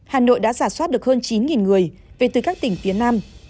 hà nội đã giả soát được hơn chín người về từ các tỉnh phía nam